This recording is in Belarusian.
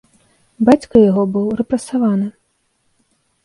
Бацька яго быў рэпрэсаваны.